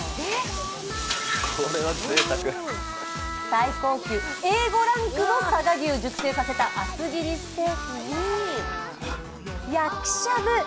最高級Ａ５ランクの佐賀牛、熟成させた厚切りステーキに焼きしゃぶ。